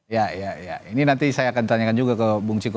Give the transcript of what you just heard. iya iya iya ini nanti saya akan ditanyakan juga ke bung ciko